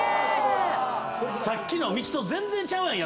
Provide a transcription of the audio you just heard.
さっきの道と全然ちゃうやん！